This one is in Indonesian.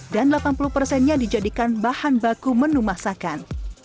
dan delapan puluh persennya dijadikan bahan baku menu masakan